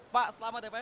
pak selamat ya pak